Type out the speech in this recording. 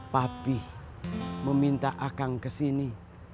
papih meminta akang kesini